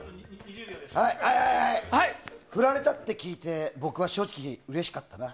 フラれたって聞いて僕は正直うれしかったな。